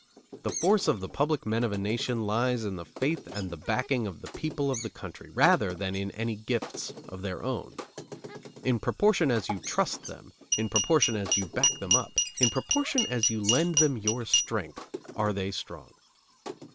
The force of the public men of a nation lies in the faith and the backing of the people of the country, rather than in any gifts of their own. In proportion as you trust them, in proportion as you back them up, in proportion as you lend them your strength, are they strong.